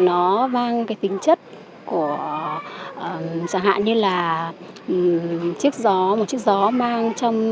nó mang cái tính chất của chẳng hạn như là một chiếc rõ mang trong đó là bộ trang phục của anh